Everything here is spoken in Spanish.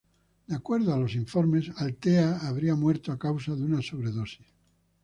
De acuerdo a los informes, Althea habría muerto a causa de una sobredosis.